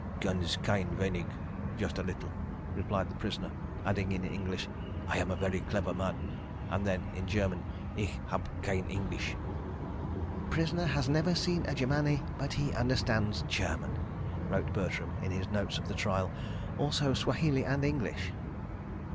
"Ganz klein wenig—just a very little," replied the prisoner, adding in English: "I am a very clever man"—and then, in German: "Ich hab kein Englisch." "Prisoner has never seen a Germani—but he understands German!" wrote Bertram in his notes of the trial. "Also Swahili and English."